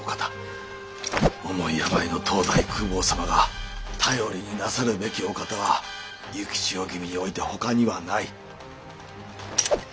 重い病の当代公方様が頼りになさるべきお方は幸千代君においてほかにはない。